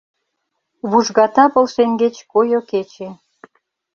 Вужгата пыл шеҥгеч койо кече.